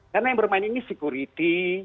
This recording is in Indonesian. karena yang bermain ini security